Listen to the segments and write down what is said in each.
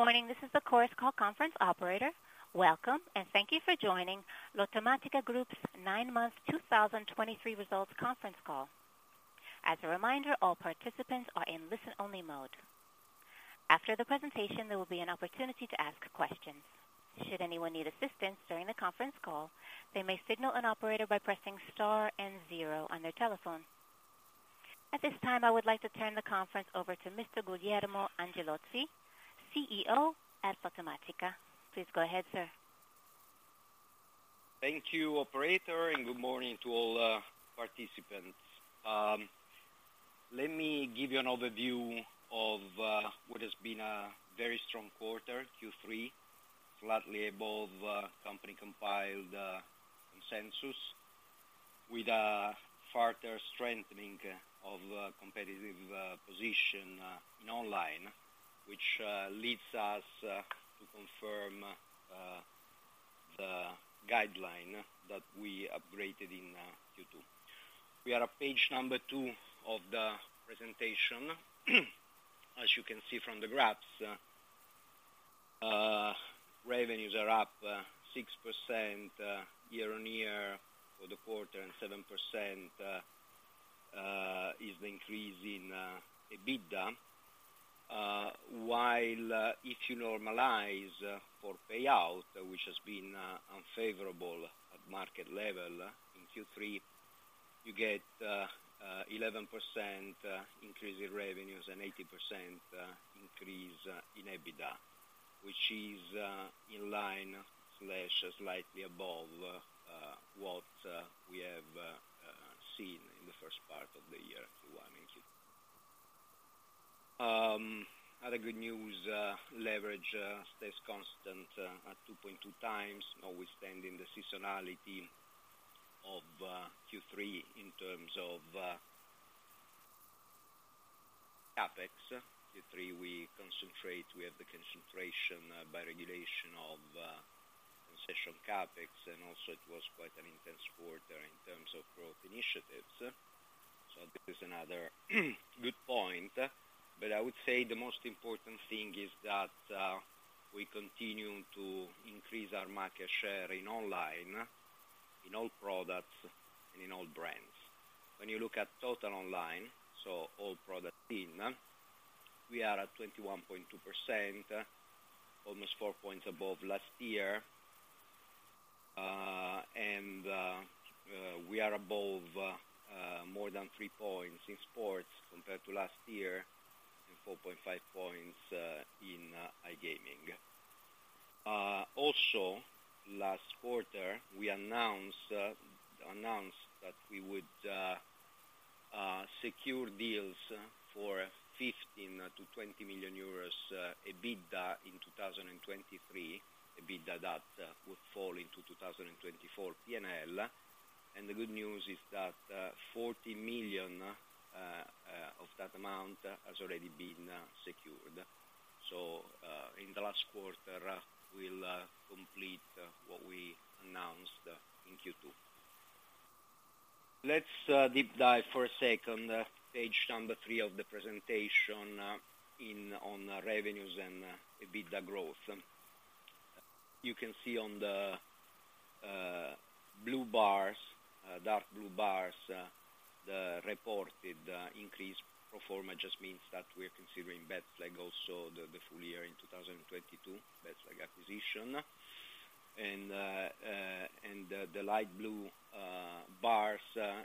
Welcome, and thank you for joining Lottomatica Group's nine-month 2023 results conference call. As a reminder, all participants are in listen-only mode. After the presentation, there will be an opportunity to ask questions. Should anyone need assistance during the conference call, they may signal an operator by pressing star and zero on their telephone. At this time, I would like to turn the conference over to Mr. Guglielmo Angelozzi, CEO at Lottomatica. Please go ahead, sir. Thank you, operator, and good morning to all participants. Let me give you an overview of what has been a very strong quarter, Q3, slightly above company-compiled consensus expectations, with a further strengthening of competitive position in online, which leads us to confirm the guideline that we upgraded in Q2. We are at page number 2 of the presentation. As you can see from the graphs, revenues are up 6% year-on-year for the quarter, and EBITDA increased by 7%. While, if you normalize for payout effects, which has been unfavorable at market level, in Q3, you get 11% increase in revenues and 18% increase in EBITDA, which is in line slash above what we have seen in the first part of the year, Q1 and Q2. Other good news, leverage stays constant at 2.2 times, notwithstanding the seasonality of Q3 in terms of CapEx. Q3, we have the concentration by regulation of concession CapEx, and also it was quite an intense quarter in terms of growth initiatives. So this is another good point. But I would say the most important thing is that we continue to increase our market share in online, in all products, and in all brands. When you look at total online, so all products in, we are at 21.2%, almost 4 points above last year. And we are above, more than 3 points in sports compared to last year, and 4.5 points in iGaming. Also, last quarter, we announced that we would secure deals for 15 million-20 million euros EBITDA in 2023, EBITDA that would fall into 2024 profit and loss (P&L). And the good news is that 40 million of that amount has already been secured. So in the last quarter, we'll complete what we announced in Q2. Let's deep dive for a second, page number 3 of the presentation, on revenues and EBITDA growth. You can see on the blue bars, dark blue bars, the reported increase pro forma just means that we are considering Betflag also the full year in 2022, Betflag acquisition. And the light blue bars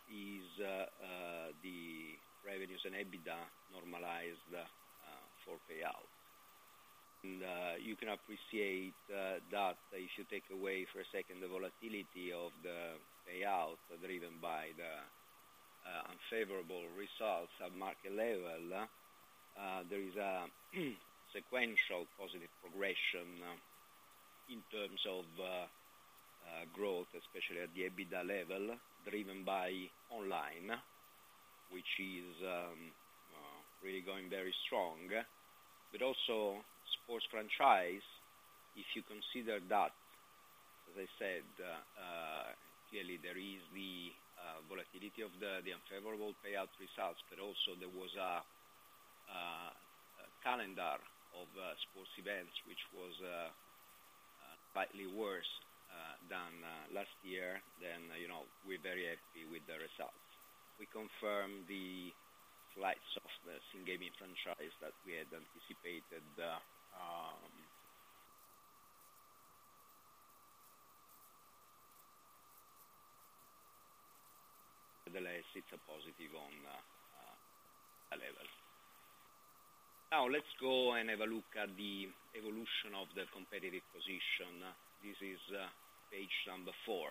is the revenues and EBITDA normalized for payouts. And you can appreciate that if you take away for a second the volatility of the payout driven by the unfavorable results at market level, there is a sequential positive progression in terms of growth, especially at the EBITDA level, driven by online, which is really going very strong. But also, sports franchise, if you consider that, as I said, clearly there is the volatility of the unfavorable payout results, but also there was a calendar of sports events, which was slightly worse than last year, then, you know, we're very happy with the results. We confirm the slight softness in gaming franchise that we had anticipated... Nevertheless, it's a positive on the EBITDA level. Now, let's go and have a look at the evolution of the competitive position. This is page number 4.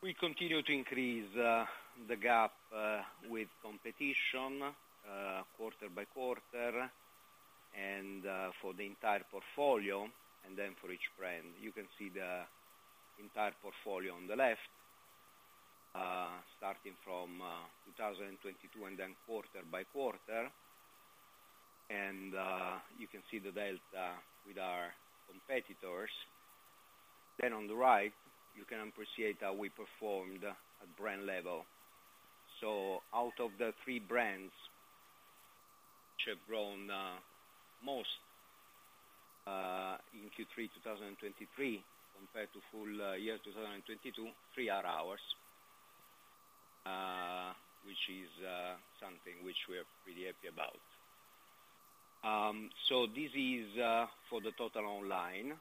We continue to increase the gap with competition quarter by quarter, and for the entire portfolio, and then for each brand. You can see the entire portfolio on the left, starting from 2022, and then quarter by quarter. And, you can see the delta with our competitors. Then on the right, you can appreciate how we performed at brand level. So out of the three brands, which have grown most in Q3 2023, compared to full year 2022, three are ours, which is something which we are pretty happy about. So this is for the total online,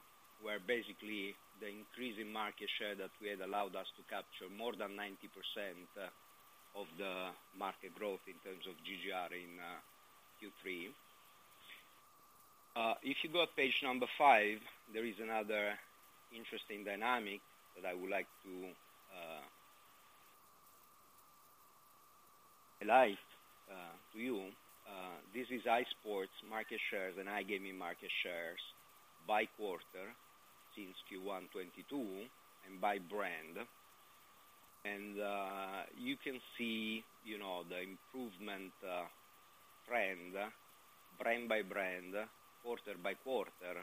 where basically the increase in market share that we had allowed us to capture more than 90% of the market growth in terms of GGR in Q3. If you go to page number 5, there is another interesting dynamic that I would like to highlight to you. This is iSports market shares and iGaming market shares by quarter since Q1 2022 and by brand. You can see, you know, the improvement trend, brand by brand, quarter by quarter,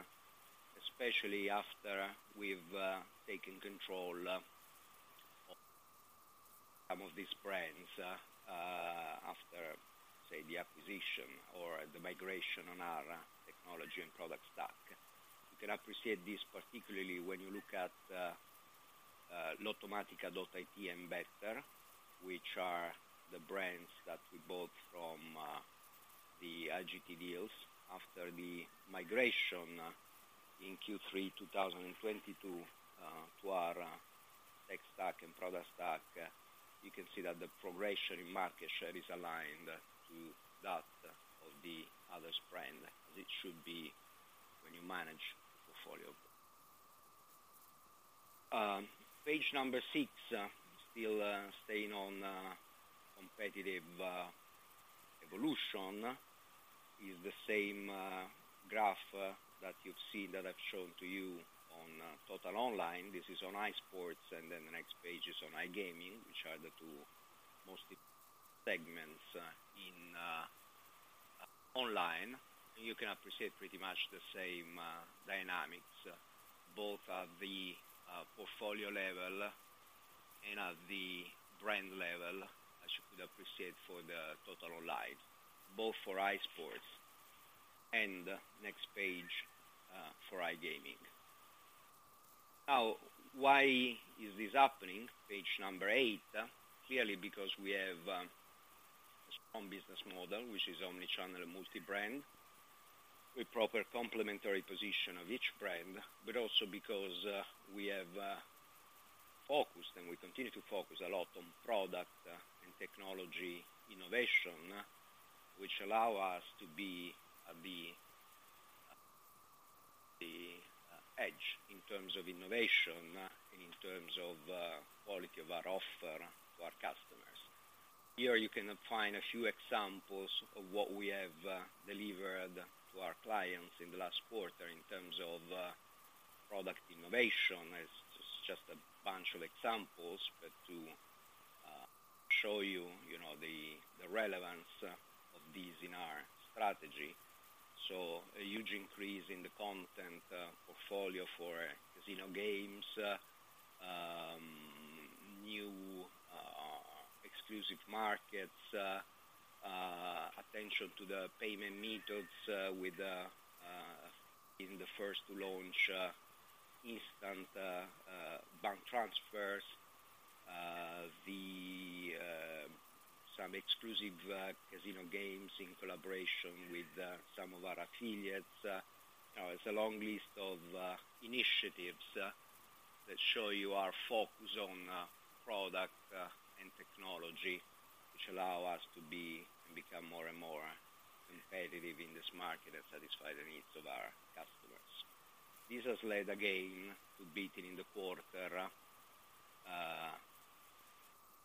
especially after we've taken control of some of these brands after, say, the acquisition or the migration on our technology and product stack. You can appreciate this, particularly when you look at Lottomatica.it and Better, which are the brands that we bought from the IGT deals after the migration in Q3 2022 to our tech stack and product stack. You can see that the progression in market share is aligned to that of the other brands, as it should be when you manage a portfolio. Page number 6, still staying on competitive evolution, is the same graph that you've seen, that I've shown to you on total online. This is on iSports, and then the next page is on iGaming, which are the two most segments in online. You can appreciate pretty much the same dynamics, both at the portfolio level and at the brand level, as you could appreciate for the total online, both for iSports and next page for iGaming. Now, why is this happening? Page number 8. Clearly, because we have a strong business model, which is omni-channel and multi-brand, with proper complementary position of each brand, but also because we have focused, and we continue to focus a lot on product and technology innovation, which allows us to remain at the forefront of innovation, in terms of quality of our offer to our customers. Here you can find a few examples of what we have delivered to our clients in the last quarter in terms of product innovation. It's just a bunch of examples, but to show you, you know, the relevance of these in our strategy. So a huge increase in the content portfolio for casino games, new exclusive markets, attention to the payment methods, with being the first to launch instant bank transfers, some exclusive casino games in collaboration with some of our affiliates. It's a long list of initiatives that show you our focus on product and technology, which allow us to be and become more and more competitive in this market and satisfy the needs of our customers. This has led, again, to beating in the quarter,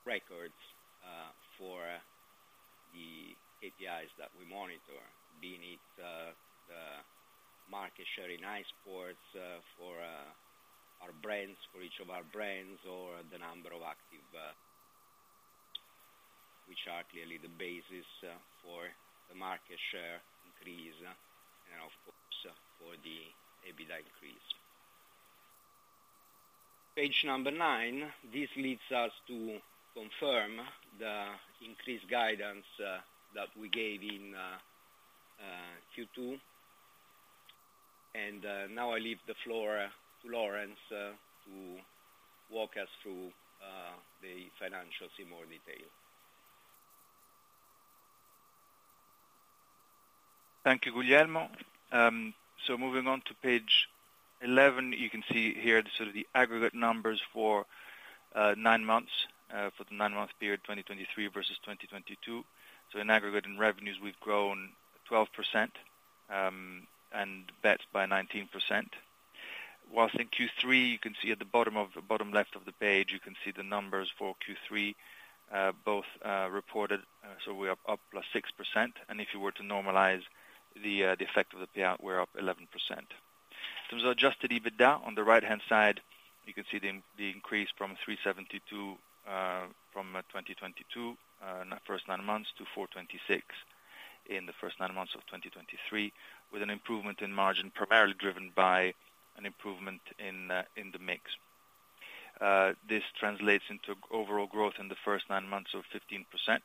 records, for the KPIs that we monitor. This includes market share in iSports, for our brands, for each of our brands, or the number of active users, which are clearly the basis, for the market share increase, and of course, for the EBITDA increase. Page number nine. This leads us to confirm the increased guidance, that we gave in Q2. And, now I leave the floor to Laurence, to walk us through, the financials in more detail. Thank you, Guglielmo. So moving on to page 11, you can see here the aggregate numbers for nine months, for the nine-month period, 2023 versus 2022. So in aggregate, in revenues, we've grown 12%, and bets by 19%. Whilst in Q3, you can see at the bottom left of the page, you can see the numbers for Q3, both reported. So we are up 6%, and if you were to normalize the effect of the payout, we're up 11%. In terms of adjusted EBITDA, on the right-hand side, you can see the increase from 372 million in the first nine months of 2022 to 426. In the first nine months of 2023, with an improvement in margin, primarily driven by an improvement in the mix. This translates into overall growth in the first nine months of 15%.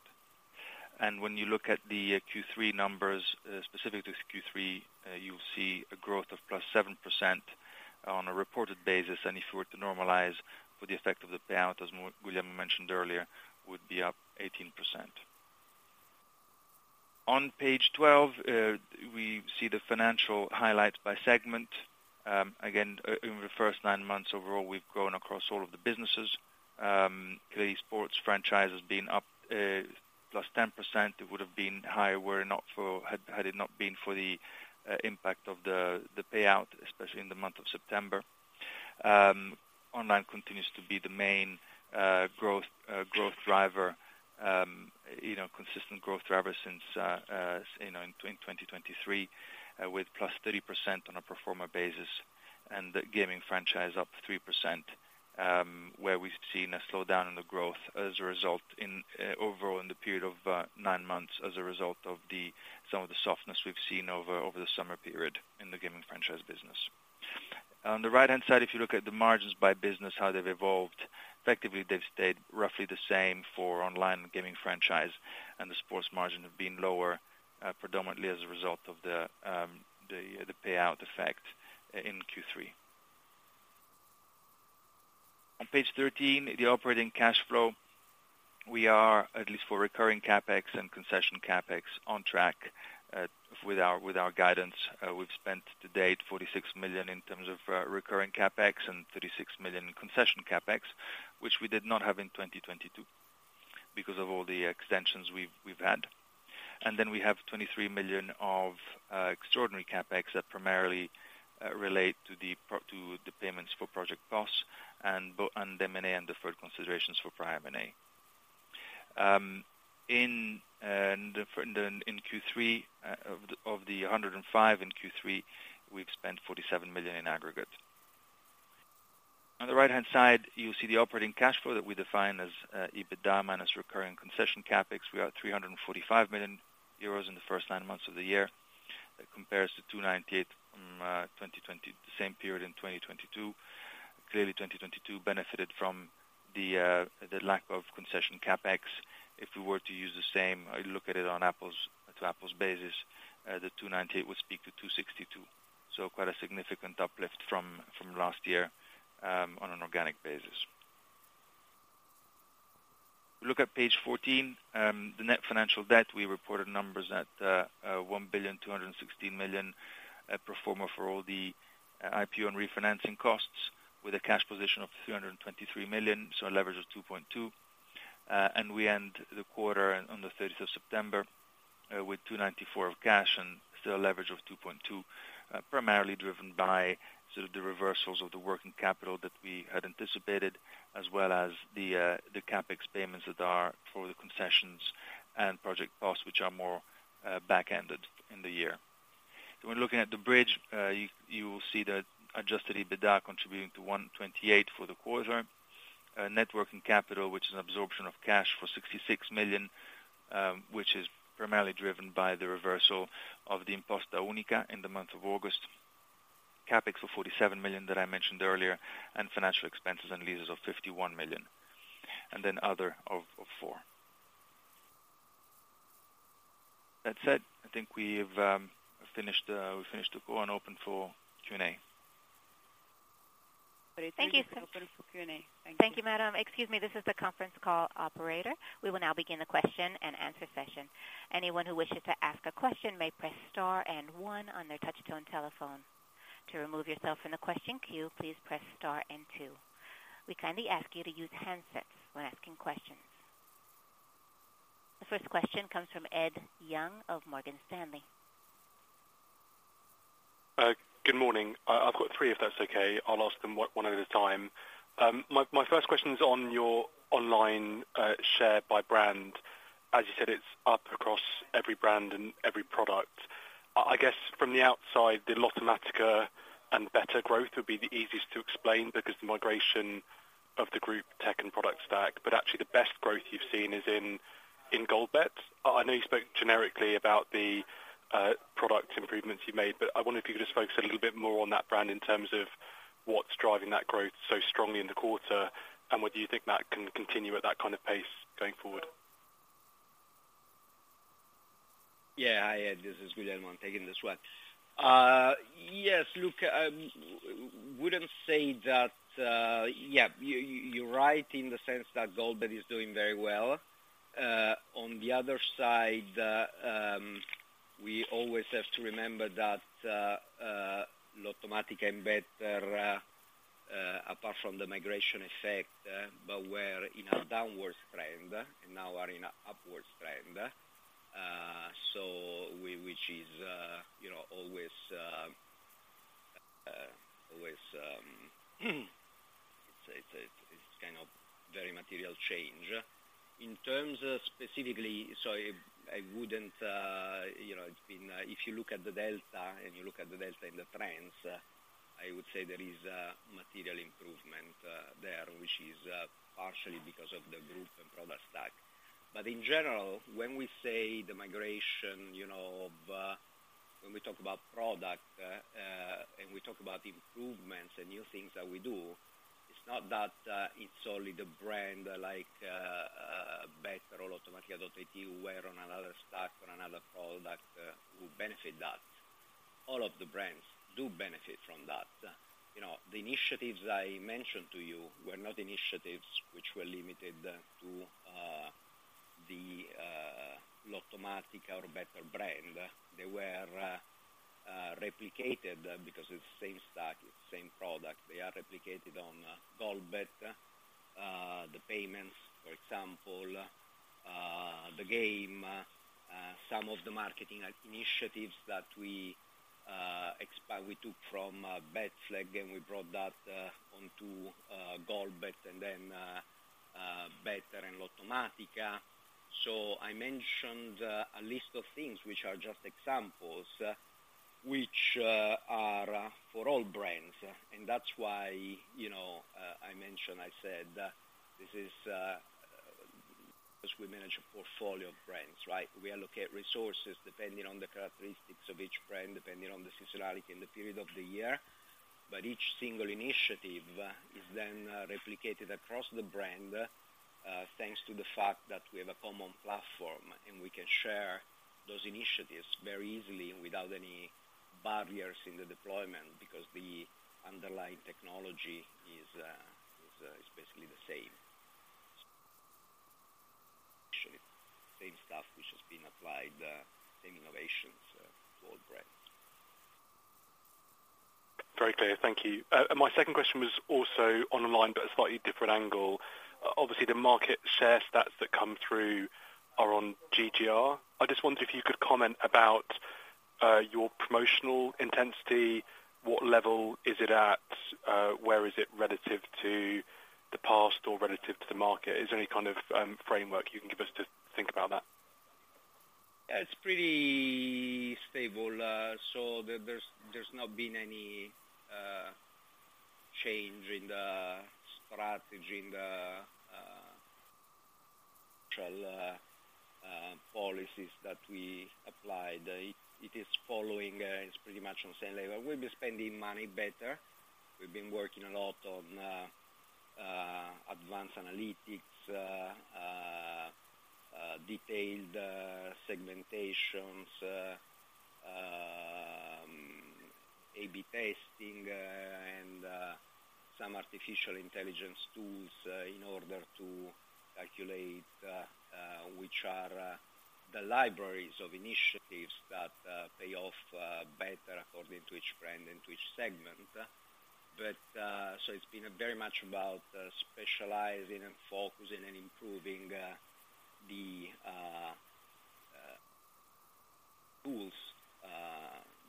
When you look at the Q3 numbers, specific to Q3, you'll see a growth of +7% on a reported basis. And if we were to normalize for the effect of the payout, as Guglielmo mentioned earlier, would be up 18%. On page 12, we see the financial highlights by segment. Again, in the first nine months overall, we've grown across all of the businesses. The iSports franchise has been up +10%. It would have been higher were it not for the impact of the payout, especially in the month of September. Online continues to be the main growth driver, you know, consistent growth driver since you know in 2023, with +30% on a pro forma basis, and the gaming franchise up 3%, where we've seen a slowdown in the growth as a result overall in the period of 9 months, as a result of some of the softness we've seen over the summer period in the gaming franchise business. On the right-hand side, if you look at the margins by business, how they've evolved, effectively, they've stayed roughly the same for online and gaming franchise, and the sports margin have been lower, predominantly as a result of the payout effect in Q3. On page 13, the operating cash flow. We are, at least for recurring CapEx and concession CapEx, on track with our guidance. We've spent to date 46 million in terms of recurring CapEx, and 36 million in concession CapEx, which we did not have in 2022 because of all the extensions we've had. Then we have 23 million of extraordinary CapEx that primarily relate to the payments for Project POS and M&A, and deferred considerations for prior M&A. In Q3, of the 105 in Q3, we've spent 47 million in aggregate. On the right-hand side, you'll see the operating cash flow that we define as EBITDA minus recurring concession CapEx. We are 345 million euros in the first nine months of the year. That compares to 298 million in 2020, the same period in 2022. Clearly, 2022 benefited from the lack of concession CapEx. If we were to use the same, I look at it on on a like-for-like basis, the 298 million would speak to 262 million. So quite a significant uplift from last year on an organic basis. Look at page 14. The net financial debt, we reported numbers at 1,216 million pro forma for all the IPO and refinancing costs, with a cash position of 323 million, so a leverage of 2.2x. We end the quarter on the 30th of September with 294 million of cash and still a leverage of 2.2, primarily driven by sort of the reversals of the working capital that we had anticipated, as well as the CapEx payments that are for the concessions and Project POS, which are more back-ended in the year. When looking at the bridge, you will see that adjusted EBITDA contributing to €128 million for the quarter. Net working capital, which is an a cash outflow of 66 million, which is primarily driven by the reversal of the Imposta Unica in the month of August. CapEx for 47 million that I mentioned earlier, and financial expenses and lease payments totaling 51 million, and then other of 4 million. That said, I think we've finished the call and open for Q&A. Thank you. Thank you, Madam. Excuse me, this is the conference call operator. We will now begin the question-and-answer session. Anyone who wishes to ask a question may press star and one on their touchtone telephone. To remove yourself from the question queue, please press star and two. We kindly ask you to use handsets when asking questions. The first question comes from Ed Young of Morgan Stanley. Good morning. I've got three, if that's okay. I'll ask them one at a time. My first question is on your online share by brand. As you said, it's up across every brand and every product. I guess from the outside, the Lottomatica and Better growth would be the easiest to explain because the migration of the group tech and product stack, but actually the best growth you've seen is in GoldBet. I know you spoke generically about the product improvements you made, but I wonder if you could just focus a little bit more on that brand in terms of what's driving that growth so strongly in the quarter, and whether you think that can continue at that kind of pace going forward? Yeah. Hi, Ed, this is Guglielmo. I'm taking this one. Yes, look, wouldn't say that. Yeah, you're right in the sense that GoldBet is doing very well. On the other side, we always have to remember that Lottomatica and Better, apart from the migration effect, but were in a downwards trend and now are in a upwards trend. So we—which is, you know, always, always, it's, it's, it's kind of very material change. In terms of specifically, so I wouldn't, you know, in, if you look at the delta, and you look at the delta in the trends. I would say there is a material improvement, there, which is, partially because of the group and product stack. But in general, when we say the migration, you know, of when we talk about product and we talk about improvements and new things that we do, it's not that it's only the brand, like Better or Lottomatica.it who were on another stack, on another product who benefit that. All of the brands do benefit from that. You know, the initiatives I mentioned to you were not initiatives which were limited to the Lottomatica or Better brand. They were replicated, because it's the same stack, it's the same product. They are replicated on GoldBet, the payments, for example, the game some of the marketing initiatives that we took from Betflag, and we brought that onto GoldBet, and then Better and Lottomatica. So I mentioned a list of things which are just examples, which are for all brands, and that's why, you know, I mentioned, I said this is because we manage a portfolio of brands, right? We allocate resources depending on the characteristics of each brand, depending on the seasonality and the period of the year, but each single initiative is then replicated across the brand thanks to the fact that we have a common platform, and we can share those initiatives very easily and without any barriers in the deployment, because the underlying technology is basically the same. Actually, same stuff which has been applied, same innovations to all brands. Very clear. Thank you. My second question was also on online, but a slightly different angle. Obviously, the market share stats that come through are on GGR. I just wondered if you could comment about your promotional intensity, what level is it at, where is it relative to the past or relative to the market? Is there any kind of framework you can give us to think about that? Yeah, it's pretty stable. So there's not been any change in the strategy, in the actual policies that we applied. It is following. It's pretty much on the same level. We've been spending money better. We've been working a lot on advanced analytics, detailed segmentations, A/B Testing, and some artificial intelligence tools in order to calculate which are the libraries of initiatives that pay off better according to each brand and to each segment. But, so it's been very much about specializing and focusing and improving the tools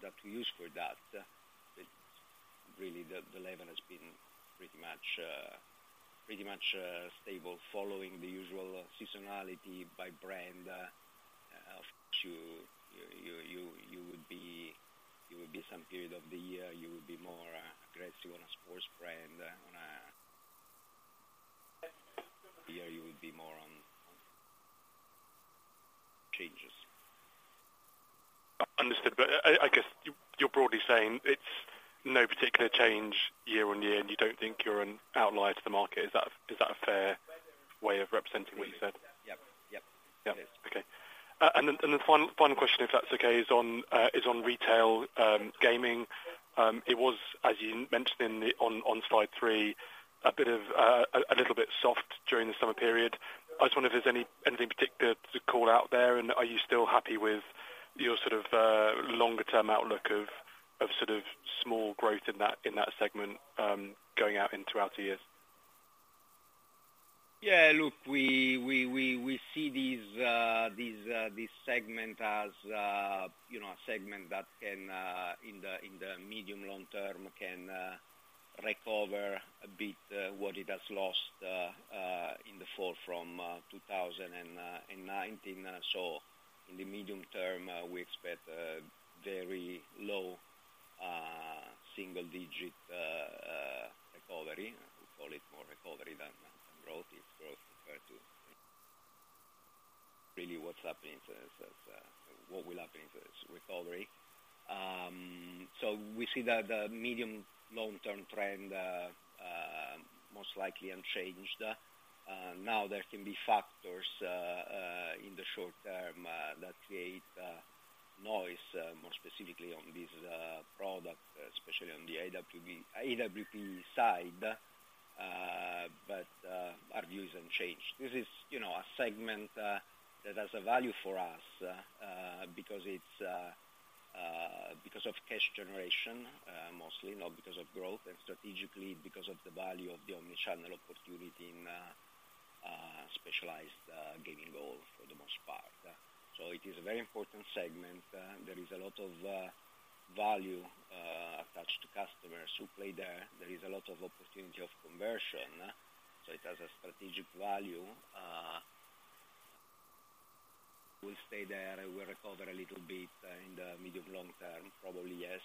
that we use for that. But really, the level has been pretty much stable, following the usual seasonality by brand. Of course, you would be some period of the year more aggressive on a sports brand. On a year, you would be more on changes. Understood. But I guess, you're broadly saying it's no particular change year on year, and you don't think you're an outlier to the market. Is that a fair way of representing what you said? Yep. Yep. Yep. Okay. And then the final final question, if that's okay, is on retail gaming. It was, as you mentioned on slide three, a bit of a little bit soft during the summer period. I just wonder if there's anything particular to call out there, and are you still happy with your sort of longer-term outlook of sort of small growth in that segment, going out and throughout the year? Yeah, look, we see these, this segment as, you know, a segment that can, in the medium to long term, recover a bit, what it has lost, in the fall from 2019. So in the medium term, we expect a very low single-digit recovery. We call it more recovery than growth. If growth refer to really what's happening to us as, what will happen to us, recovery. So we see that the medium long-term trend, most likely unchanged. Now, there can be factors, in the short term, that create noise, more specifically on this product, especially on the AWP side, but our view is unchanged. This is, you know, a segment that has a value for us because it's because of cash generation, mostly, not because of growth, and strategically, because of the value of the omni-channel opportunity in specialized gaming hall, for the most part. So it is a very important segment. There is a lot of value attached to customers who play there. There is a lot of opportunity of conversion, so it has a strategic value will stay there and will recover a little bit in the medium, long term, probably, yes,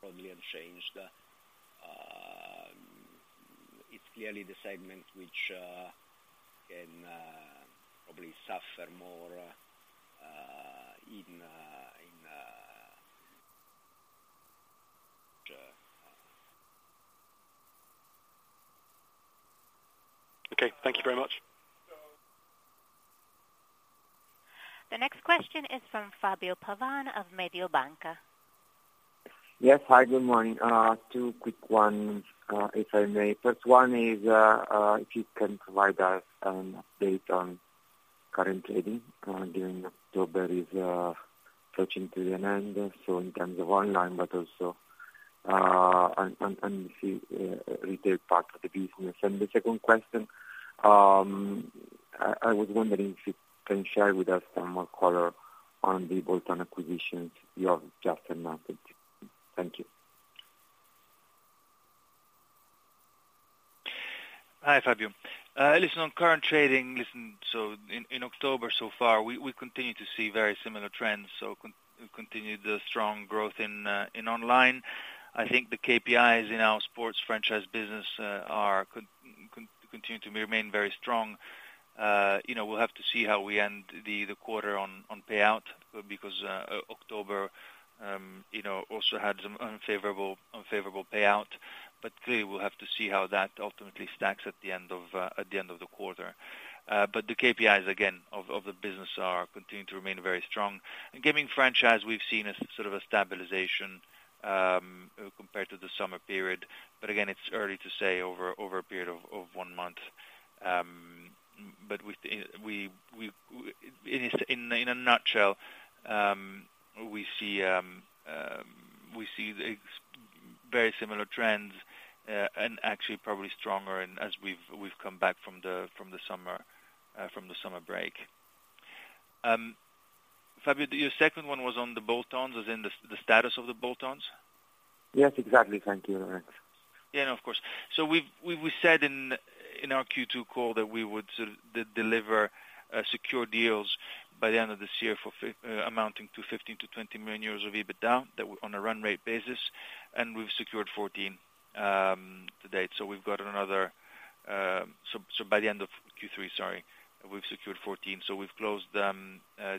probably unchanged. It's clearly the segment which can probably suffer more in in. Okay, thank you very much. The next question is from Fabio Pavan of Mediobanca. Yes. Hi, good morning. Two quick ones, if I may. First one is, if you can provide us an update on current trading, during October is approaching to an end, so in terms of online, but also, and if you, retail part of the business. And the second question, I was wondering if you can share with us some more color on the bolt-on acquisitions you have just announced. Thank you. Hi, Fabio. Listen, on current trading, so in October so far, we continue to see very similar trends. So we continued the strong growth in online. I think the KPIs in our sports franchise business are continue to remain very strong. You know, we'll have to see how we end the quarter on payout, because October, you know, also had some unfavorable payout. But clearly, we'll have to see how that ultimately stacks at the end of the quarter. But the KPIs, again, of the business are continuing to remain very strong. In gaming franchise, we've seen a sort of a stabilization compared to the summer period, but again, it's early to say over a period of one month. But we, in a nutshell, we see the very similar trends, and actually probably stronger as we've come back from the summer break. Fabio, your second one was on the bolt-ons, as in the status of the bolt-ons? Yes, exactly. Thank you, Laurence. Yeah, no, of course. So we've said in our Q2 call that we would sort of deliver secure deals by the end of this year for amounting to 15-20 million euros of EBITDA, that on a run rate basis, and we've secured 14 to date. So we've got another... So by the end of Q3, sorry, we've secured 14. So we've closed the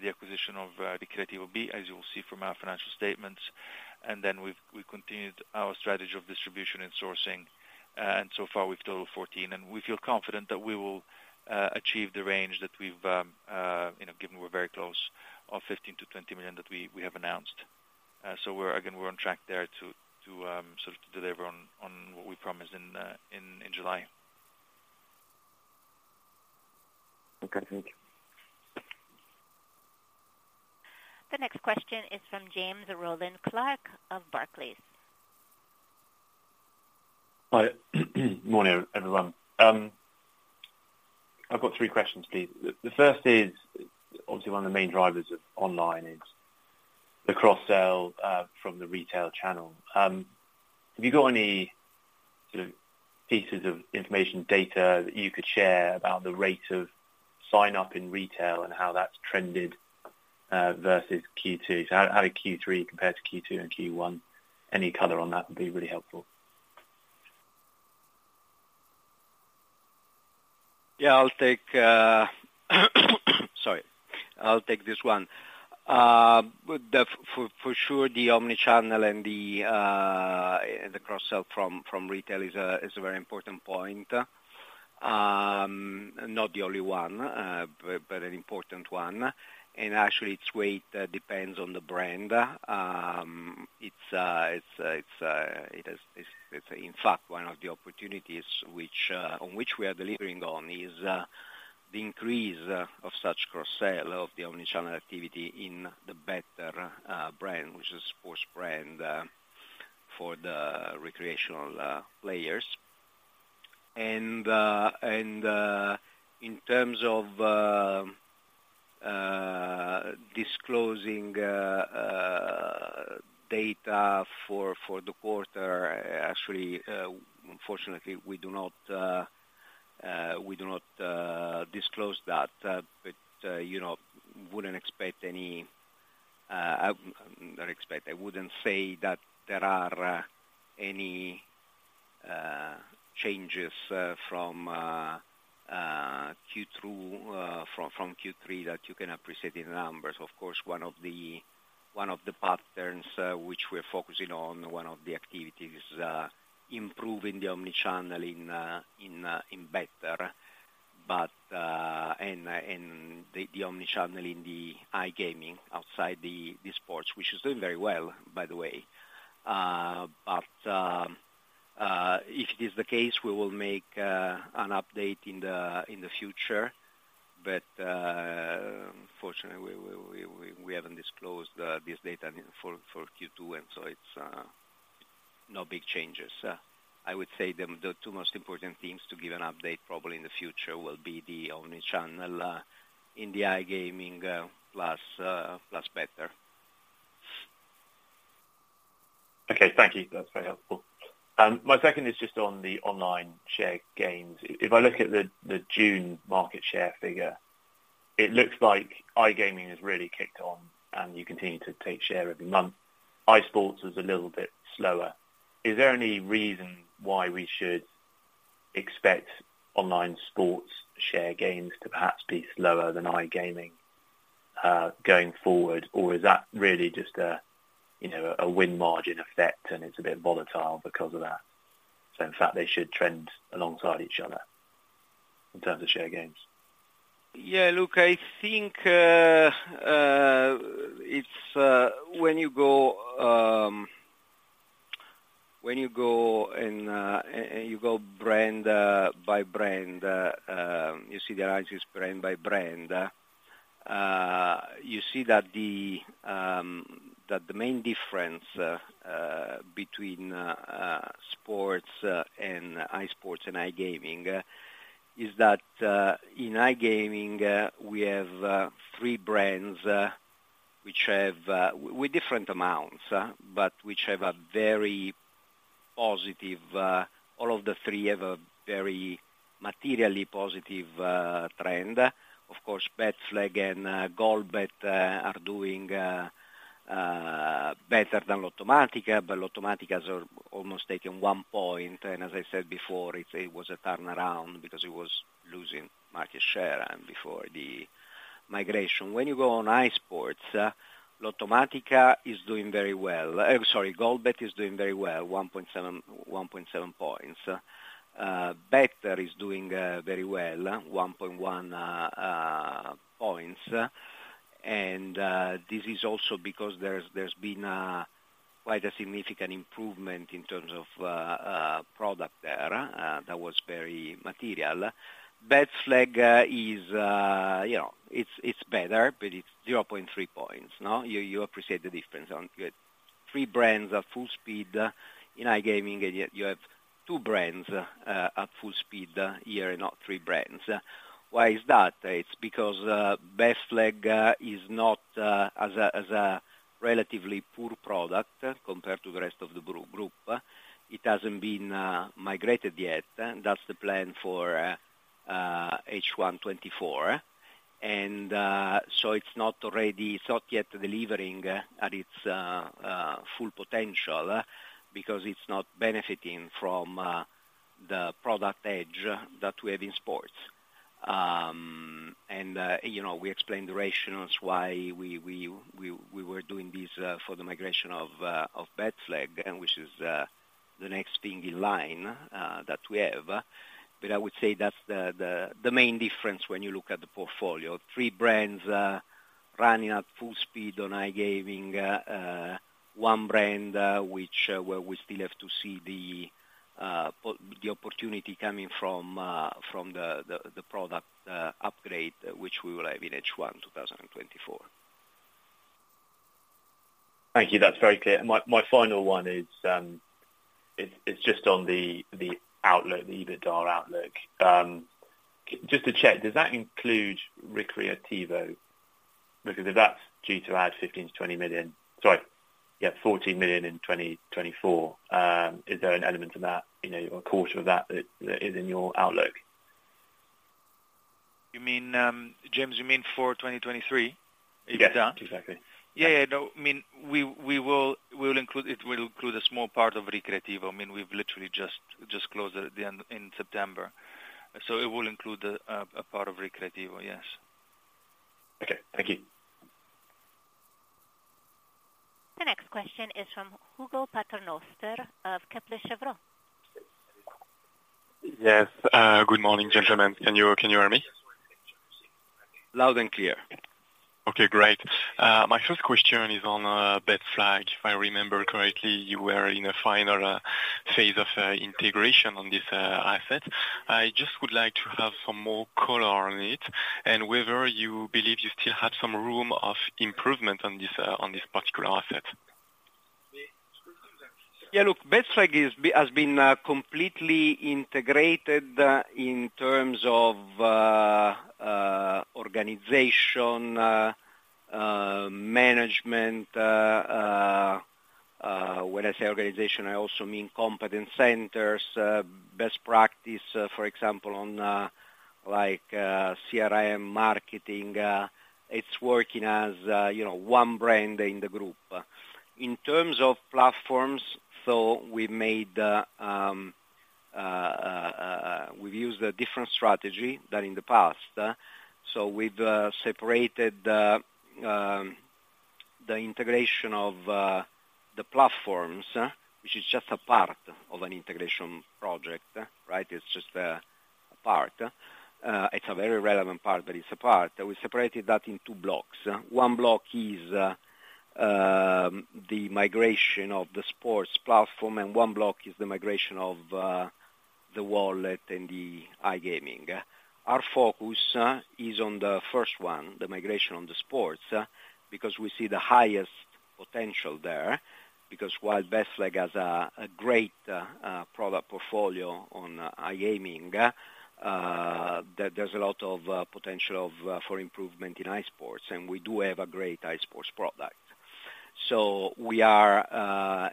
acquisition of the Ricreativo B, as you will see from our financial statements. And then we've continued our strategy of distribution and sourcing, and so far, we've totaled 14. And we feel confident that we will achieve the range that we've you know, given we're very close, of 15-20 million EUR that we have announced. So we're again on track there to sort of deliver on what we promised in July. Okay, thank you. The next question is from James Rowland Clark of Barclays. Hi. Morning, everyone. I've got three questions, please. The first is, obviously, one of the main drivers of online is the cross-sell from the retail channel. Have you got any sort of pieces of information, data, that you could share about the rate of sign-up in retail and how that's trended versus Q2? So how did Q3 compare to Q2 and Q1? Any color on that would be really helpful. Yeah, I'll take, sorry. I'll take this one. For sure, the omni-channel and the cross-sell from retail is a very important point. Not the only one, but an important one. And actually, its weight depends on the brand. It's, in fact, one of the opportunities which we are delivering on is the increase of such cross-sell of the omni-channel activity in the Better brand, which is sports brand, for the recreational players. And in terms of disclosing data for the quarter, actually, unfortunately, we do not disclose that. But you know, wouldn't expect any, not expect. I wouldn't say that there are any changes from Q2 from Q3 that you can appreciate in numbers. Of course, one of the patterns which we're focusing on, one of the activities improving the Omni-channel in Better, but and the Omni-channel in the iGaming outside the sports, which is doing very well, by the way. But if it is the case, we will make an update in the future. But unfortunately, we haven't disclosed this data for Q2, and so it's no big changes. I would say the two most important things to give an update, probably in the future, will be the Omni-channel in the iGaming, plus, plus Better.... Okay, thank you. That's very helpful. My second is just on the online share gains. If I look at the June market share figure, it looks like iGaming has really kicked on, and you continue to take share every month. iSports is a little bit slower. Is there any reason why we should expect online sports share gains to perhaps be slower than iGaming going forward? Or is that really just a, you know, a win margin effect, and it's a bit volatile because of that, so in fact, they should trend alongside each other in terms of share gains? Yeah, look, I think it's when you go and you go brand by brand. You see brand by brand, you see that the main difference between sports and iSports and iGaming is that in iGaming we have three brands which have with different amounts but which have a very positive, all of the three have a very materially positive trend. Of course, Betflag and GoldBet are doing better than Lottomatica, but Lottomatica has almost taken one point, and as I said before, it was a turnaround because it was losing market share and before the migration. When you go on iSports, Lottomatica is doing very well. Sorry, GoldBet is doing very well, 1.7, 1.7 points. Better is doing very well, 1.1 points. And this is also because there's been a quite significant improvement in terms of product there that was very material. Betflag is, you know, it's better, but it's 0.3 points, no? You appreciate the difference. Only you get three brands at full speed in iGaming, and yet you have two brands at full speed here, not three brands. Why is that? It's because Betflag is not a relatively poor product compared to the rest of the group. It hasn't been migrated yet. That's the plan for H1 2024. So it's not already, it's not yet delivering at its full potential, because it's not benefiting from the product edge that we have in sports. You know, we explained the rationales why we were doing this for the migration of Betflag, and which is the next thing in line that we have. But I would say that's the main difference when you look at the portfolio. Three brands running at full speed on iGaming, one brand, which where we still have to see the opportunity coming from the product upgrade, which we will have in H1 2024. Thank you. That's very clear. My final one is, it's just on the outlook, the EBITDA outlook. Just to check, does that include Ricreativo? Because if that's due to add 15-20 million, sorry, yeah, 14 million in 2024, is there an element of that, you know, a quarter of that, that is in your outlook? You mean, James, you mean for 2023, EBITDA? Yes, exactly. Yeah, yeah. No, I mean, we will include it. It will include a small part of Ricreativo. I mean, we've literally just closed it at the end in September, so it will include a part of Ricreativo, yes. Okay, thank you. The next question is from Hugo Paternoster of Kepler Cheuvreux. Yes, good morning, gentlemen. Can you, can you hear me? Loud and clear. Okay, great. My first question is on Betflag. If I remember correctly, you were in a final phase of integration on this asset. I just would like to have some more color on it, and whether you believe you still have some room of improvement on this on this particular asset. Yeah, look, Betflag has been completely integrated in terms of organization, management, when I say organization, I also mean competence centers, best practice, for example, on like CRM marketing, it's working as you know one brand in the group. In terms of platforms, so we made we've used a different strategy than in the past. So we've separated the integration of the platforms, which is just a part of an integration project, right? It's just a part. It's a very relevant part, but it's a part. We separated that in two blocks. One block is the migration of the sports platform, and one block is the migration of the wallet and the iGaming. Our focus is on the first one, the migration on the sports, because we see the highest potential there, because while Betflag has a great product portfolio on iGaming, there's a lot of potential for improvement in iSports, and we do have a great iSports product. So we are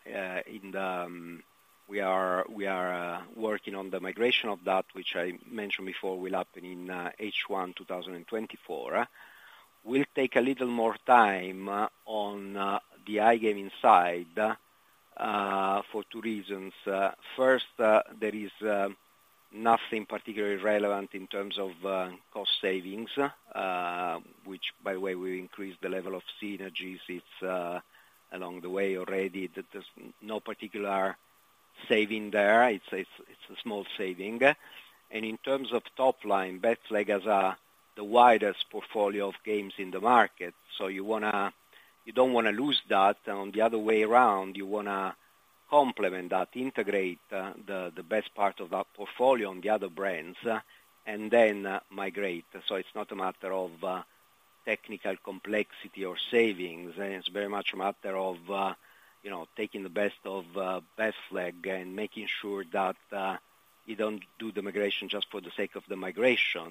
working on the migration of that, which I mentioned before, will happen in H1 2024. We'll take a little more time on the iGaming side for two reasons. First, there is nothing particularly relevant in terms of cost savings, which by the way, we increased the level of synergies. It's along the way already, that there's no particular saving there. It's a small saving. And in terms of top line, Betflag has the widest portfolio of games in the market, so you wanna- you don't wanna lose that, and on the other way around, you wanna complement that, integrate the best part of that portfolio on the other brands, and then migrate. It's not a matter of technical complexity or savings, and it's very much a matter of you know, taking the best of Betflag, and making sure that you don't do the migration just for the sake of the migration.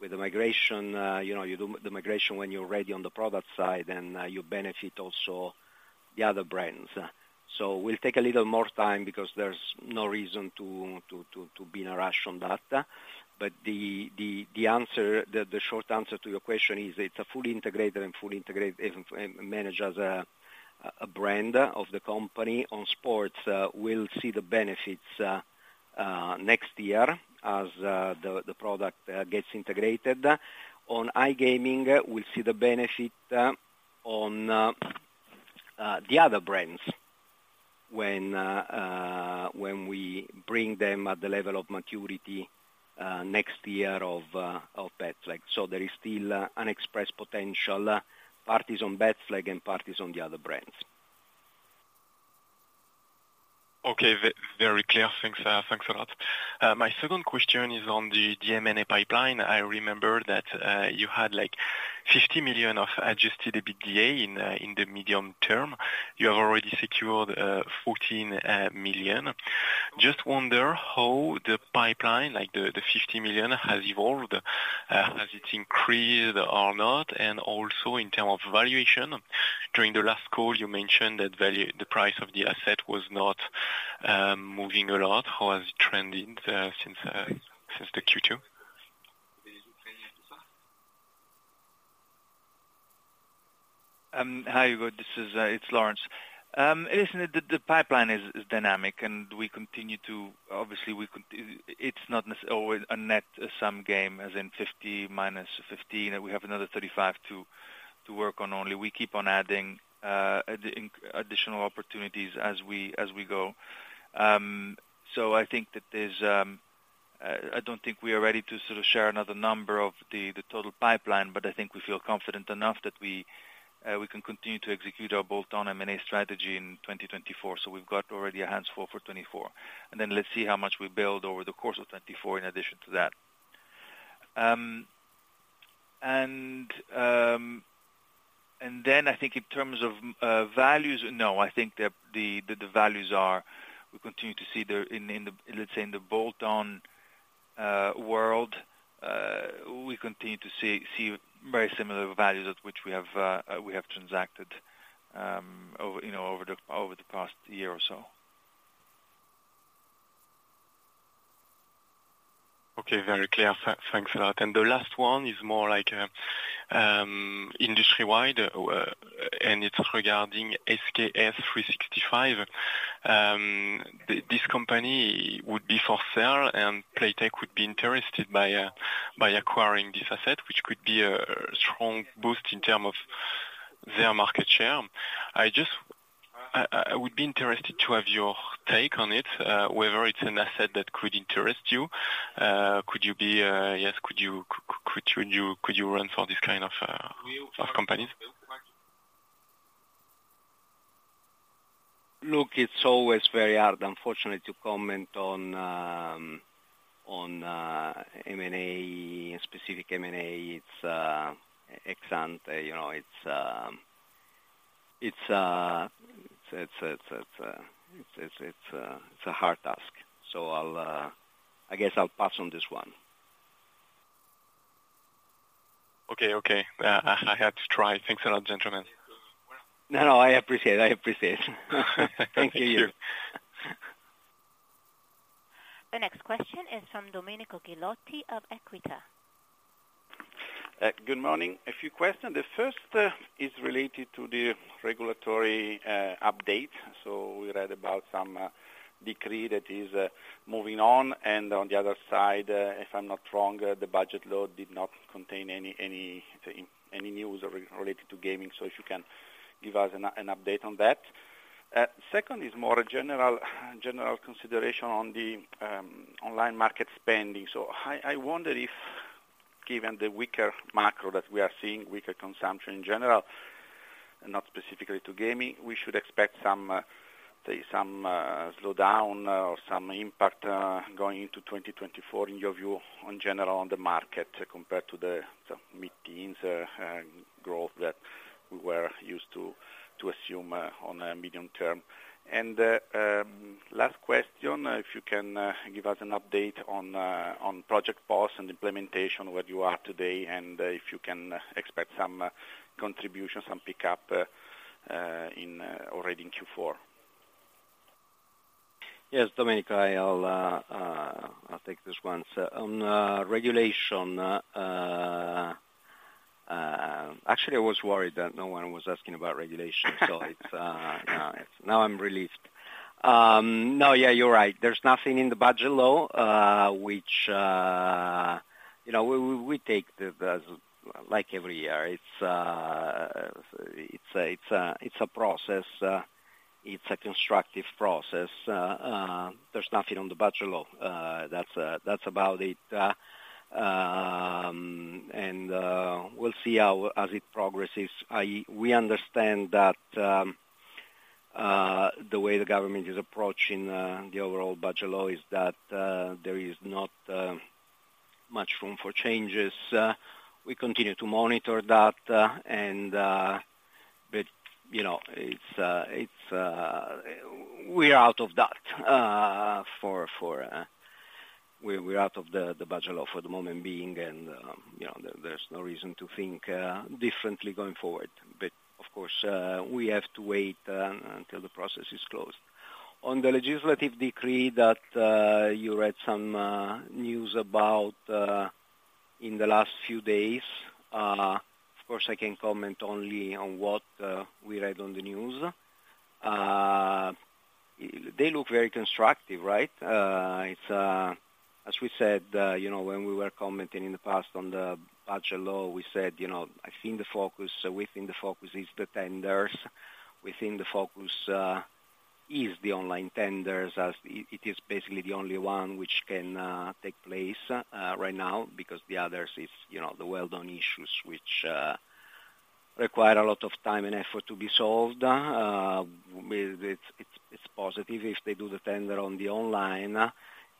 With the migration, you know, you do the migration when you're ready on the product side, and you benefit also the other brands. We'll take a little more time because there's no reason to be in a rush on that. But the short answer to your question is it's a fully integrated and managed as a brand of the company. On sports, we'll see the benefits next year, as the product gets integrated. On iGaming, we'll see the benefit on the other brands, when we bring them at the level of maturity next year of Betflag. So there is still unexpressed potential, parties on Betflag and parties on the other brands. Okay, very clear. Thanks, thanks a lot. My second question is on the M&A pipeline. I remember that you had, like, 50 million of adjusted EBITDA in the medium term. You have already secured 14 million. Just wonder how the pipeline, like, the 50 million, has evolved. Has it increased or not? And also, in terms of valuation, during the last call, you mentioned that value, the price of the asset was not moving a lot. How has it trended since the Q2? Hi, Hugo. This is, it's Laurence. Listen, the pipeline is dynamic, and we continue to obviously it's not always a net sum game, as in 50 minus 15, and we have another 35 to work on only. We keep on adding additional opportunities as we go. So I think that there's, I don't think we are ready to sort of share another number of the total pipeline, but I think we feel confident enough that we can continue to execute our bolt-on M&A strategy in 2024. So we've got already our hands full for 2024. And then let's see how much we build over the course of 2024 in addition to that. And then I think in terms of values, I think the values are. We continue to see in the, let's say, bolt-on world very similar values at which we have transacted over, you know, over the past year or so. Okay, very clear. Thanks a lot. And the last one is more like, industry-wide, and it's regarding SKS365. This company would be for sale, and Playtech would be interested by, by acquiring this asset, which could be a strong boost in terms of their market share. I just would be interested to have your take on it, whether it's an asset that could interest you. Could you be, yes, could you, could you run for this kind of, of companies? Look, it's always very hard, unfortunately, to comment on M&A, specific M&A. It's ex ante, you know, it's a hard task, so I'll, I guess I'll pass on this one. Okay, okay. I had to try. Thanks a lot, gentlemen. No, no, I appreciate it, I appreciate it. Thank you. Thank you. The next question is from Domenico Ghilotti of Equita. Good morning. A few questions. The first is related to the regulatory update. So we read about some decree that is moving on, and on the other side, if I'm not wrong, the budget law did not contain any news related to gaming. So if you can give us an update on that. Second is more a general consideration on the online market spending. So I wonder if, given the weaker macro that we are seeing, weaker consumption in general, and not specifically to gaming, we should expect some slowdown or some impact going into 2024, in your view, in general on the market, compared to the mid-teens growth that we were used to assume on a medium term? Last question, if you can give us an update on Project POS and implementation, where you are today, and if you can expect some contribution, some pickup already in Q4?... Yes, Domenico, I'll take this one. So on regulation, actually, I was worried that no one was asking about regulation, so it's now I'm relieved. No, yeah, you're right. There's nothing in the budget law, which you know, as we do each year it's a process, it's a constructive process. There's nothing on the budget law, that's about it. And we'll see how as it progresses. We understand that the way the government is approaching the overall budget law is that there is not much room for changes. We continue to monitor that, and but, you know, it's, we are out of that for, for we, we're out of the, the budget law for the moment being, and, you know, there, there's no reason to think differently going forward. But, of course, we have to wait until the process is closed. On the legislative decree that you read some news about in the last few days, of course, I can comment only on what we read on the news. They look very constructive, right? It's, as we said, you know, when we were commenting in the past on the budget law, we said, you know, I think the focus, we think the focus is the tenders. We think the focus is the online tenders, as it is basically the only one which can take place right now, because the others are, you know, the well-known issues, which require a lot of time and effort to be solved. It's positive if they do the tender on the online,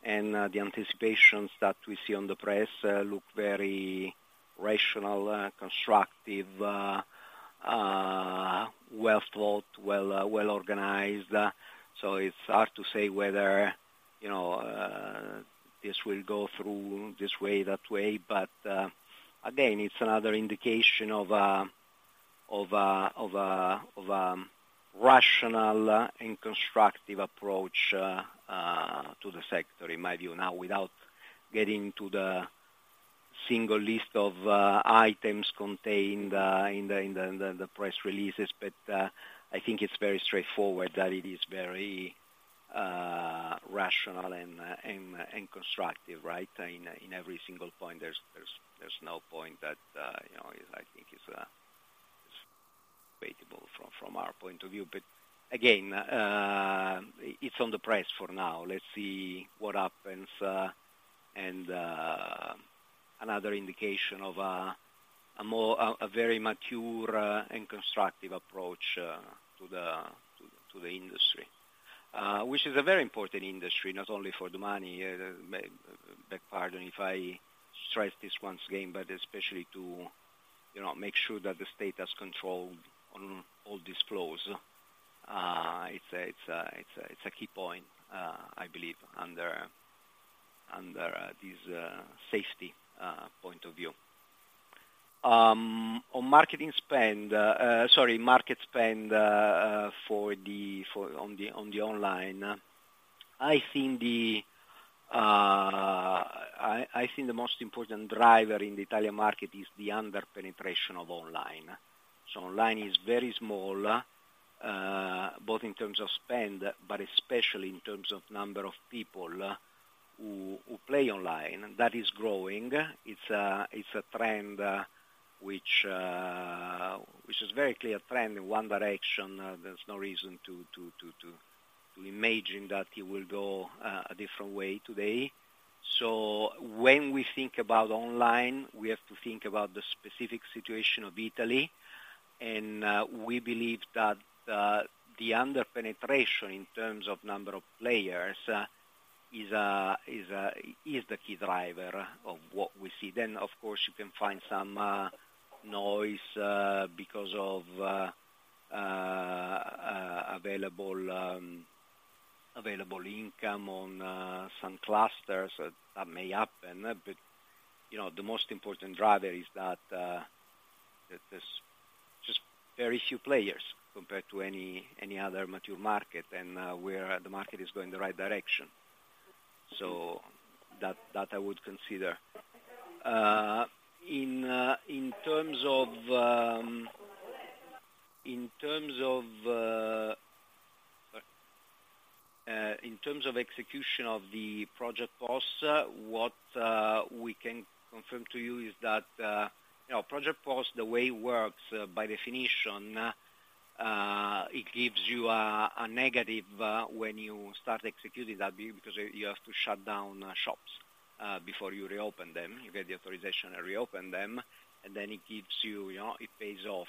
and the anticipations that we see on the press look very rational, constructive, well thought, well organized. So it's hard to say whether, you know, this will go through this way, that way, but again, it's another indication of a rational and constructive approach to the sector, in my view. Now, without getting to the single list of items contained in the press releases, but I think it's very straightforward that it is very rational and constructive, right? In every single point, there's no point that you know is, I think, debatable from our point of view. But again, it's on the press for now. Let's see what happens, and another indication of a more very mature and constructive approach to the industry. Which is a very important industry, not only for the money once again, but especially to you know make sure that the state has control on all these flows. It's a key point, I believe, under this safety point of view. On marketing spend, sorry, market spend, for on the online, I think the most important driver in the Italian market is the under-penetration of online. So online is very small, both in terms of spend, but especially in terms of number of people who play online. That is growing. It's a trend which is a very clear trend in one direction. There's no reason to imagine that it will go a different way today. So when we think about online, we have to think about the specific situation of Italy, and we believe that the under-penetration in terms of number of players is the key driver of what we see. Then, of course, you can find some noise because of available income on some clusters that may happen, but you know, the most important driver is that there's just very few players compared to any other mature market, and where the market is going the right direction. So that I would consider. In terms of execution of the Project POS, what we can confirm to you is that, you know, Project POS, the way it works, by definition, it gives you a negative when you start executing that, because you have to shut down shops before you reopen them. You get the authorization and reopen them, and then it gives you, you know, it pays off.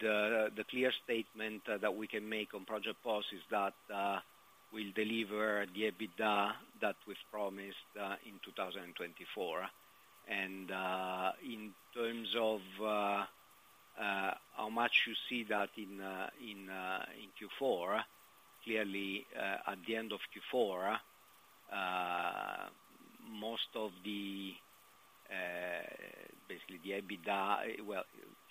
The clear statement that we can make on Project POS is that, we'll deliver the EBITDA that was promised in 2024. In terms of how much you see that in Q4, clearly, at the end of Q4, ...most of the, basically the EBITDA, well,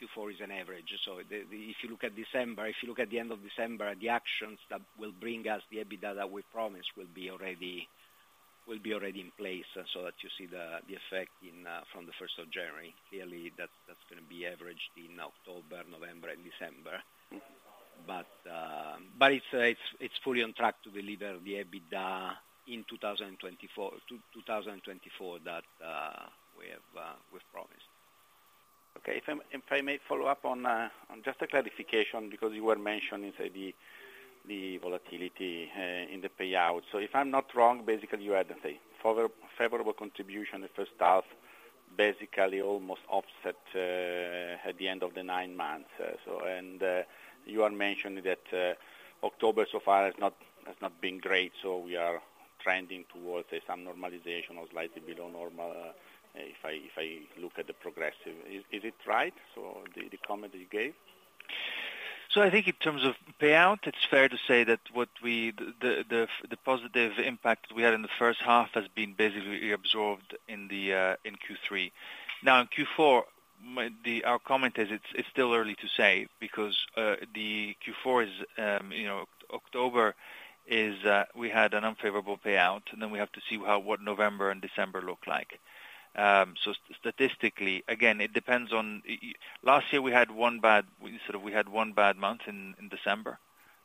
Q4 is an average. So, if you look at December, if you look at the end of December, the actions that will bring us the EBITDA that we promised will be already, will be already in place, so that you see the effect from the first of January. Clearly, that's, that's gonna be averaged in October, November and December. But, but it's, it's, it's fully on track to deliver the EBITDA in 2024, 2024, that we've promised. Okay. If I may follow up on just a clarification, because you were mentioning, say, the volatility in the payout. So if I'm not wrong, basically, you had, say, favorable contribution in the first half, basically almost offset at the end of the nine months. So and you are mentioning that October so far has not been great, so we are trending towards some normalization or slightly below normal, if I look at the progressive. Is it right, so the comment you gave? So I think in terms of payout, it's fair to say that the positive impact we had in the first half has been basically reabsorbed in Q3. Now, in Q4, our comment is it's still early to say, because the Q4 is, you know, October is, we had an unfavorable payout, and then we have to see what November and December look like. So statistically, again, it depends on... Last year, we had one bad month, sort of, in December,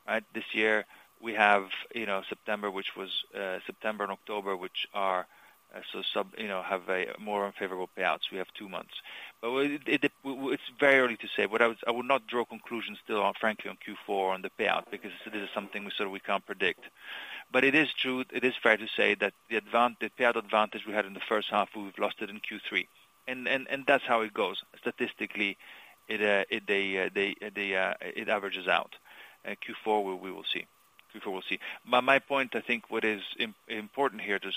right? This year, we have, you know, September and October, which are, so, you know, have a more unfavorable payouts. We have two months. But it, it's very early to say. What I would not draw conclusions still, frankly, on Q4 on the payout, because this is something so we can't predict. But it is true, it is fair to say that the payout advantage we had in the first half, we've lost it in Q3, and that's how it goes. Statistically, it averages out. Q4, we will see. Q4, we'll see. But my point, I think what is important here to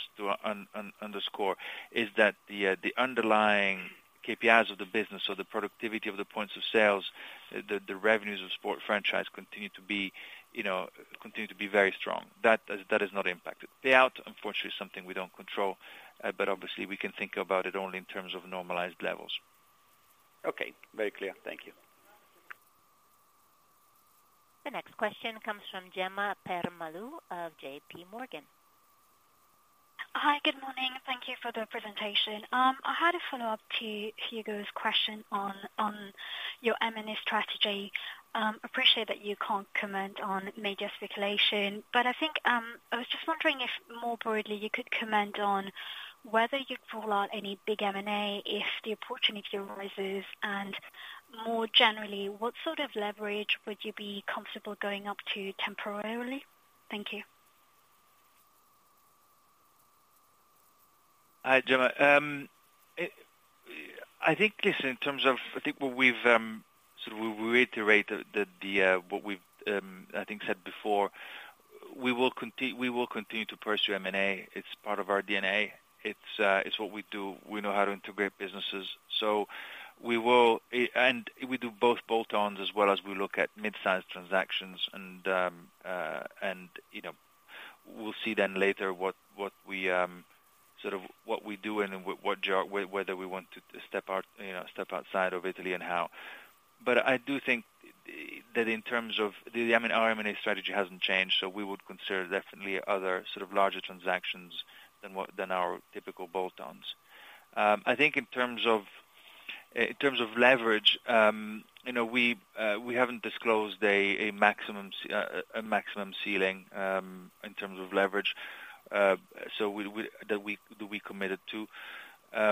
underscore, is that the underlying KPIs of the business or the productivity of the points of sales, the revenues of sport franchise continue to be, you know, continue to be very strong. That is, that is not impacted. Payout, unfortunately, is something we don't control, but obviously, we can think about it only in terms of normalized levels. Okay, very clear. Thank you. The next question comes from Gemma Sherwood of J.P. Morgan. Hi, good morning. Thank you for the presentation. I had a follow-up to Hugo's question on your M&A strategy. Appreciate that you can't comment on media speculation, but I think, I was just wondering if more broadly, you could comment on whether you'd rule out any big M&A if the opportunity arises, and more generally, what sort of leverage would you be comfortable going up to temporarily? Thank you. Hi, Gemma. I think, listen, in terms of, I think what we've sort of, we reiterate what we've said before, we will continue to pursue M&A. It's part of our DNA. It's, it's what we do. We know how to integrate businesses, so we will, and we do both bolt-ons as well as we look at mid-sized transactions, and, you know, we'll see then later what, what we sort of what we do and whether we want to step out, you know, step outside of Italy and how. But I do think that in terms of the, I mean, our M&A strategy hasn't changed, so we would consider definitely other sort of larger transactions than what, than our typical bolt-ons. I think in terms of leverage, you know, we haven't disclosed a maximum ceiling in terms of leverage that we committed to.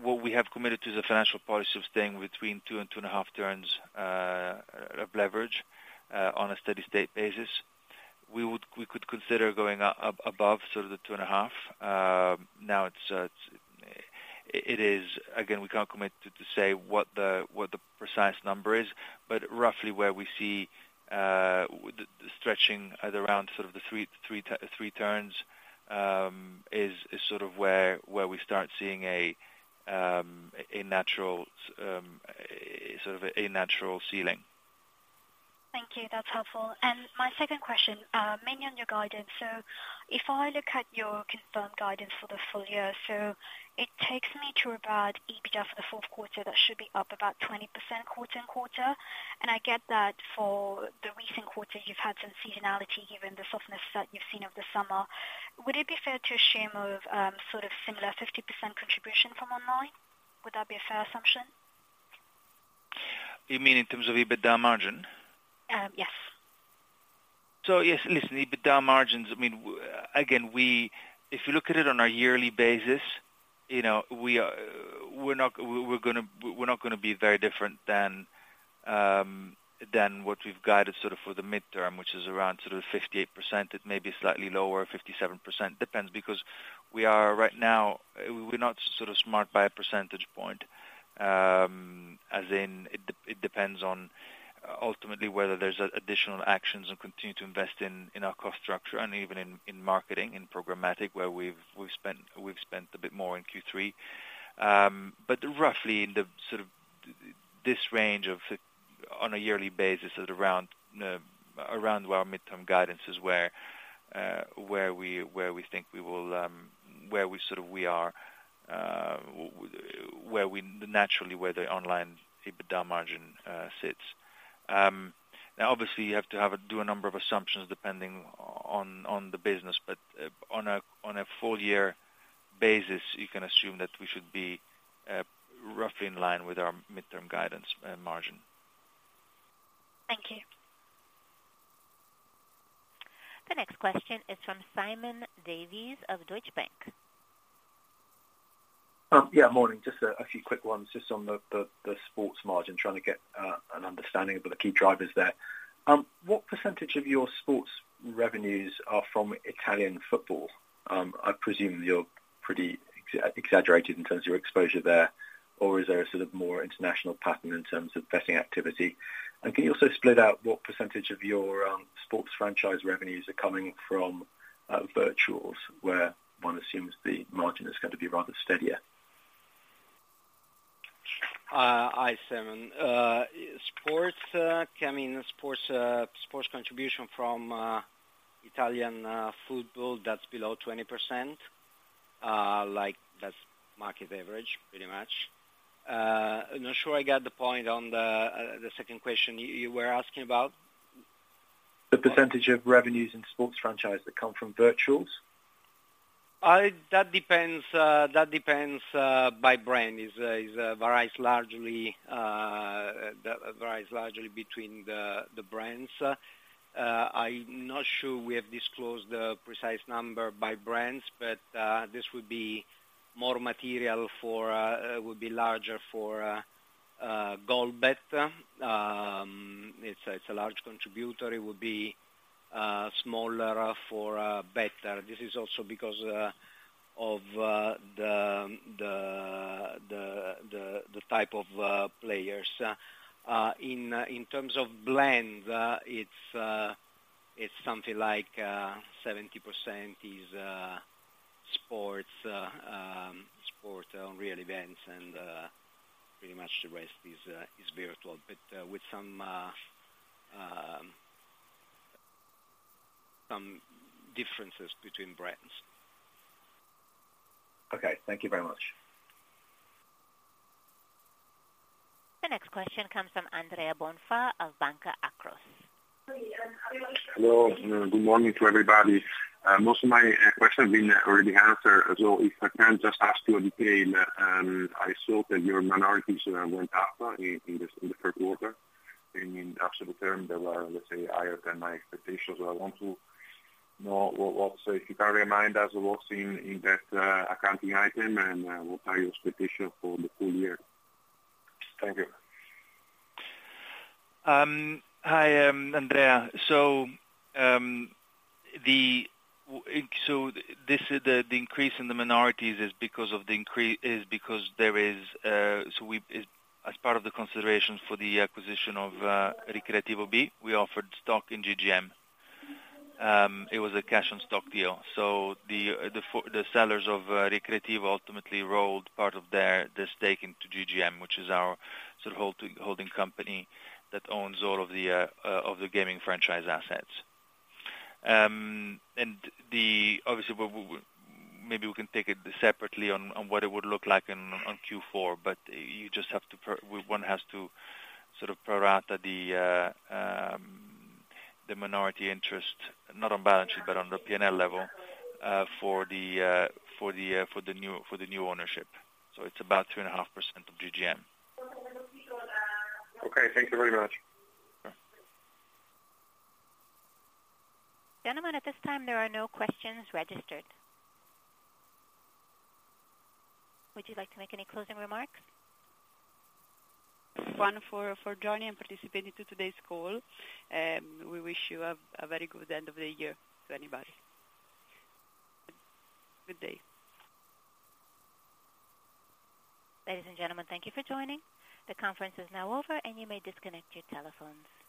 What we have committed to the financial policy of staying between 2 and 2.5 turns of leverage on a steady state basis. We would, we could consider going up above sort of the 2.5. Now, it is. Again, we can't commit to say what the precise number is, but roughly where we see the stretching at aroundapproximately 3.0x leverage is sort of where we start seeing a natural sort of a natural ceiling. Thank you. That's helpful. And my second question, mainly on your guidance. So if I look at your confirmed guidance for the full year, so it takes me to about EBITDA for the fourth quarter, that should be up about 20% quarter-over-quarter. And I get that for the recent quarter, you've had some seasonality, given the softness that you've seen over the summer. Would it be fair to assume of, sort of similar 50% contribution from online? Would that be a fair assumption? You mean in terms of EBITDA margin? Um, yes. So yes, listen, EBITDA margins, I mean, again, if you look at it on a yearly basis, you know, we are, we're not, we're gonna, we're not gonna be very different than than what we've guided sort of for the midterm, which is around sort of 58%. It may be slightly lower, 57%. Depends, because we are right now, we're not sort of smart by a percentage point, as in it it depends on ultimately whether there's additional actions and continue to invest in, in our cost structure and even in, in marketing, in programmatic, where we've, we've spent, we've spent a bit more in Q3. But roughly in the sort of- ...this range of, on a yearly basis, is around where our midterm guidance is, where we think we will, where we sort of are, naturally, where the online EBITDA margin sits. Now, obviously, you have to do a number of assumptions depending on the business, but on a full year basis, you can assume that we should be roughly in line with our midterm guidance margin. Thank you. The next question is from Simon Davies of Deutsche Bank. Yeah, morning. Just a few quick ones, just on the sports margin, trying to get an understanding of the key drivers there. What percentage of your sports revenues are from Italian football? I presume you're pretty exaggerated in terms of your exposure there, or is there a sort of more international pattern in terms of betting activity? And can you also split out what percentage of your sports franchise revenues are coming from virtuals, where one assumes the margin is going to be rather steadier? Hi, Simon. Sports, I mean, sports, sports contribution from Italian football, that's below 20%. Like, that's market average, pretty much. I'm not sure I get the point on the second question you were asking about. The percentage of revenues in sports franchise that come from virtuals. That depends by brand. It varies largely between the brands. I'm not sure we have disclosed the precise number by brands, but this would be more material for, would be larger for GoldBet. It's a large contributor. It would be smaller for Better. This is also because of the type of players. In terms of blend, it's something like 70% is sports on real events, and pretty much the rest is virtual, but with some differences between brands. Okay, thank you very much. The next question comes from Andrea Bonfa of Banca Akros. Hello, good morning to everybody. Most of my questions have been already answered, so if I can just ask you a detail, and I saw that your minorities went up in the Q3. In absolute terms, they were, let's say, higher than my expectations. So I want to know what—so if you can remind us what's in that accounting item, and what are your expectations for the full year? Thank you. Hi, Andrea. So this is the increase in the minorities because there is, so as part of the considerations for the acquisition of Ricreativo B, we offered stock in GGM. It was a cash and stock deal. So the sellers of Ricreativo ultimately rolled part of their stake into GGM, which is our sort of holding company that owns all of the gaming franchise assets. Obviously, we maybe can take it separately on what it would look like on Q4, but you just have to one has to sort of pro rata the minority interest, not on balance sheet, but on the P&L level, for the new ownership. So it's about 2.5% of GGM. Okay, thank you very much. Gentlemen, at this time, there are no questions registered. Would you like to make any closing remarks? Thank you for joining and participating in today's call. We wish you a very good end of the year to anybody. Good day. Ladies and gentlemen, thank you for joining. The conference is now over, and you may disconnect your telephones.